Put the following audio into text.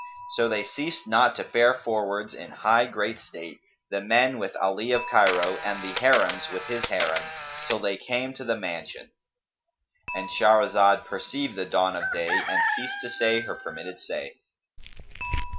So they ceased not to fare forwards in high great state, the men with Ali of Cairo and the Harims with his Harim, till they came to the mansion,—And Shahrazad perceived the dawn of day and ceased to say her permitted say.